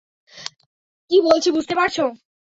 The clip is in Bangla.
কী বলছি বুঝতে পারছ?